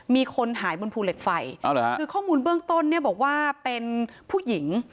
มีคนหายบนภูเหล็กไฟคือข้อมูลเบื้องต้นเนี่ยบอกว่าเป็นผู้หญิง